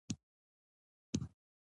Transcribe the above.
چې ددې تقسیم داسي په بره سویدي